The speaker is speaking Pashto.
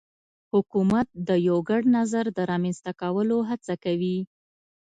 حکومت د یو ګډ نظر د رامنځته کولو هڅه کوي